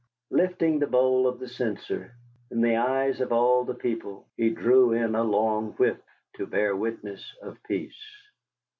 Lifting the bowl of the censer, in the eyes of all the people he drew in a long whiff to bear witness of peace.